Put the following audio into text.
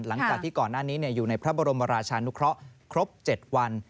หลังจากที่ก่อนหน้านี้อยู่ในพระบรมราชานุเคราะห์ครบ๗วัน